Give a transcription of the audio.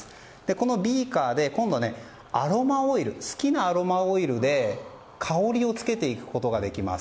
このビーカーで今度は好きなアロマオイルで香りをつけていくことができるんです。